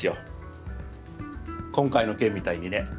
今回の件みたいにね。